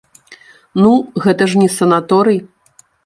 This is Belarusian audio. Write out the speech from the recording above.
Ну, гэта ж не санаторый.